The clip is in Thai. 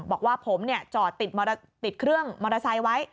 บอกว่าผมจอดติดเครื่องมอเตอร์ไซค์ไว้